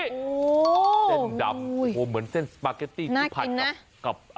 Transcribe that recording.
เส้นดำโอ้โหเหมือนเส้นสปาเกตตี้ที่ผัดกับ